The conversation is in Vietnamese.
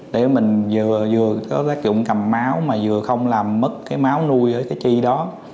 để mình vừa có cách dùng cầm máu mà vừa không làm mất cái máu nuôi ở cái chi đó